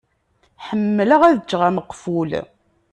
Ḥemmleɣ ad ččeɣ ameqful.